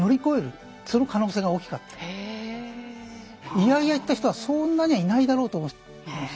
イヤイヤ行った人はそんなにはいないだろうと思います。